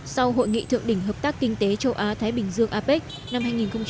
sau hội nghị thượng đỉnh hợp tác kinh tế châu á thái bình dương apec năm hai nghìn một mươi chín